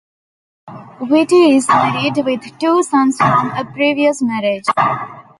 Whitty is married, with two sons from a previous marriage.